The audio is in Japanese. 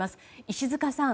石塚さん